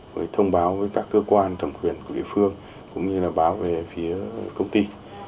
rồi thông báo với các cơ quan thẩm quyền của địa phương cũng như là báo về phía công ty